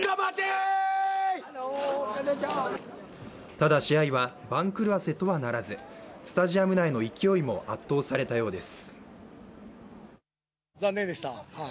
ただ試合は番狂わせとはならずスタジアム内の勢いも圧倒されたようです。